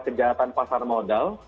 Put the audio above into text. kejahatan pasar modal